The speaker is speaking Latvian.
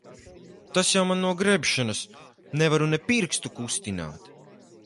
Tas jau man no grebšanas. Nevaru ne pirkstu kustināt.